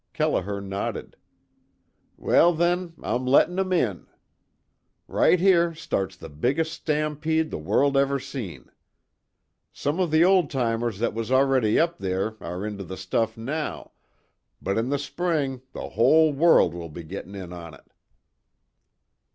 Kelliher nodded. "Well then I'm lettin' 'em in. Right here starts the biggest stampede the world ever seen. Some of the old timers that was already up there are into the stuff now but in the spring the whole world will be gettin' in on it!"